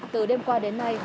từ đêm qua đến nay